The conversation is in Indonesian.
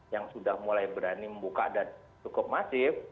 yang sudah mulai berani membuka dan cukup masif